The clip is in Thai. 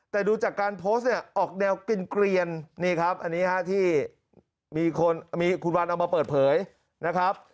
แต่ดูจากการโพสต์เนี่ยออกแนวกินเกลียนนี่ครับอันนี้ฮะที่มีคุณวันเอามาเปิดเผยนะครับ